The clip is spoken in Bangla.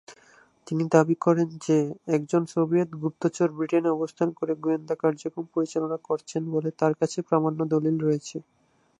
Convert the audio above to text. তিনি দাবী করেন যে, একজন সোভিয়েত গুপ্তচর ব্রিটেনে অবস্থান করে গোয়েন্দা কার্যক্রম পরিচালনা করছেন বলে তার কাছে প্রামাণ্য দলিল রয়েছে।